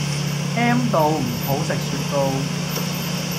M 到唔好食雪糕